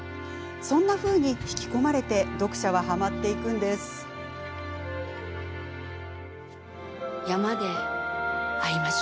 そんなふうに引き込まれて読者は、はまっていくのです。